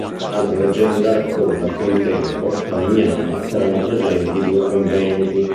Un'altra leggenda racconta che un tempo, a Legnano, erano presenti due conventi.